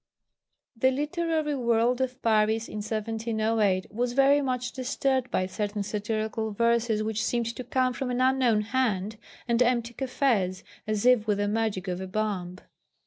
The literary world of Paris in 1708 was very much disturbed by certain satirical verses which seemed to come from an unknown hand and empty cafés as if with the magic of a bomb.